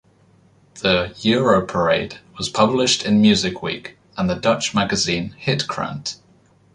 The "Europarade" was published in "Music Week" and the Dutch magazine "Hitkrant".